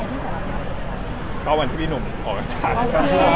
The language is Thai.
ต้องการว่านที่มีหนุ่มก็ออกกันทาง